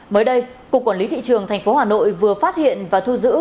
mới đây cục quản lý thị trường tp hà nội vừa phát hiện và thu giữ